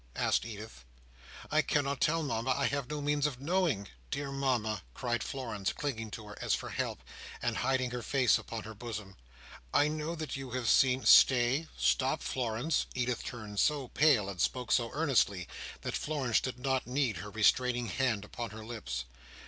asked Edith. "I cannot tell, Mama. I have no means of knowing. Dear Mama!" cried Florence, clinging to her as for help, and hiding her face upon her bosom, "I know that you have seen—" "Stay! Stop, Florence." Edith turned so pale, and spoke so earnestly, that Florence did not need her restraining hand upon her lips.